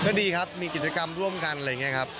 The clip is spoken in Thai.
ก็ดีครับมีกิจกรรมร่วมกันอะไรอย่างนี้ครับ